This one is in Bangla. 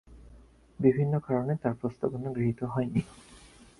বিভিন্ন কারণে তার প্রস্তাবনা গৃহীত হয়নি।